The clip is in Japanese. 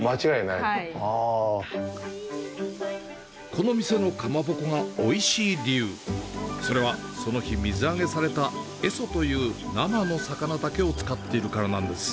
この店のかまぼこがおいしい理由、それは、その日水揚げされたエソという生の魚だけを使っているからなんです。